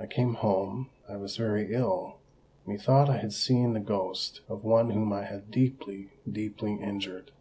I came home—I was very ill: methought I had seen the ghost of one whom I had deeply, deeply injured!"